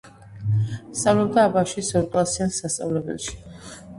სწავლობდა აბაშის ორკლასიან სასწავლებელში.